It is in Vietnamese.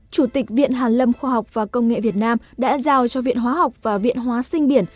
chủ tịch viện hàn lâm khoa học và công nghệ việt nam đã giao cho viện hóa học và viện hóa sinh biển